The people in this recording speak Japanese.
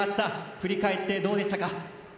振り返ってどうでしたか？